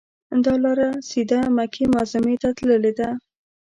دا لاره سیده مکې معظمې ته تللې ده.